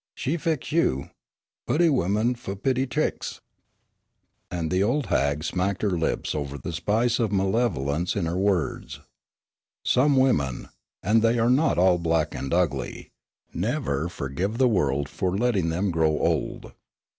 She fix you! Putty women fu' putty tricks." And the old hag smacked her lips over the spice of malevolence in her words. Some women and they are not all black and ugly never forgive the world for letting them grow old.